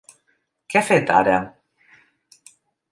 Què ha fet, ara?